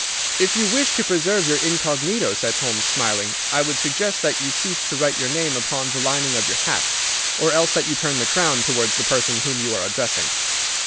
"If you wish to preserve your incognito," said Holmes, smiling, "I would suggest that you cease to write your name upon the lining of your hat, or else that you turn the crown towards the person whom you are addressing.